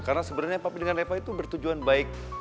karena sebenarnya papi dengan reva itu bertujuan baik